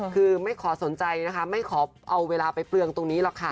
คือไม่ขอสนใจนะคะไม่ขอเอาเวลาไปเปลืองตรงนี้หรอกค่ะ